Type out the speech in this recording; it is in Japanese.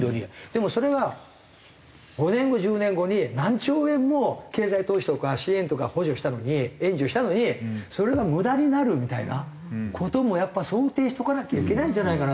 でもそれが５年後１０年後に何兆円も経済投資とか支援とか補助したのに援助したのにそれが無駄になるみたいな事もやっぱ想定しとかなきゃいけないんじゃないかなと思うんですけど。